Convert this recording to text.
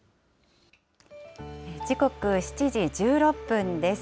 時刻７時１６分です。